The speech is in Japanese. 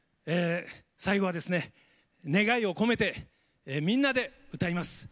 最後はですね願いを込めてみんなで歌います。